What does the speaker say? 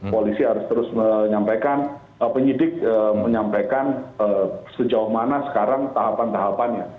polisi harus terus menyampaikan penyidik menyampaikan sejauh mana sekarang tahapan tahapannya